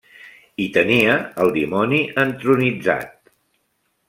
Hi tenia el dimoni entronitzat.